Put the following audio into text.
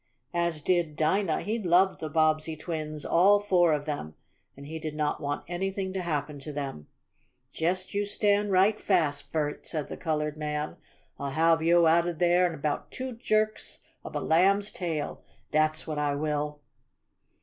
As did Dinah, he loved the Bobbsey twins all four of them and he did not want anything to happen to them. "Jest you stand right fast, Bert!" said the colored man. "I'll have yo' out ob dere in 'bout two jerks ob a lamb's tail! Dat's what I will!"